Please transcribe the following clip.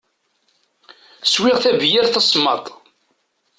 Swiɣ tabeyyirt tasemmaḍt.